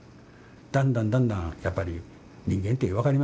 だんだんだんだんやっぱり人間って分かりますやん。